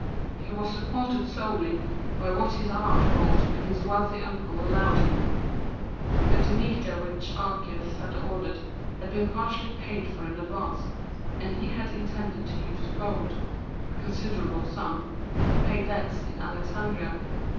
He was supported solely by what his art brought and his wealthy uncle allowed him. The Demeter which Archias had ordered had been partially paid for in advance, and he had intended to use the gold a considerable sum to pay debts in Alexandria.